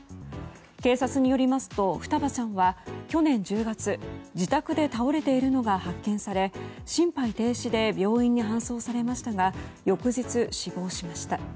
警察によりますと双葉ちゃんは去年１０月自宅で倒れているのが発見され心肺停止で病院に搬送されましたが翌日、死亡しました。